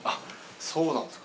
そうなんですか。